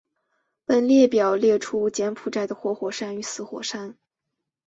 本列表列出柬埔寨的活火山与死火山。